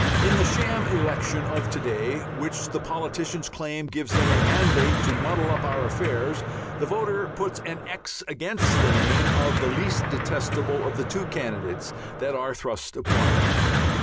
In the sham election of to day, which the politicians claim gives them a mandate to muddle up our affairs, the voter puts a x against the name of the least detestable of the two candidates that are thrust upon him.